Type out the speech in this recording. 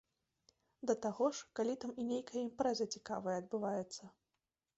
Да таго ж, калі там і нейкая імпрэза цікавая адбываецца.